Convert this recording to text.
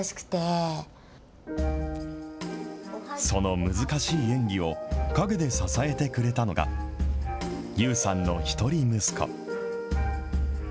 その難しい演技を、陰で支えてくれたのが、ＹＯＵさんの一人息子。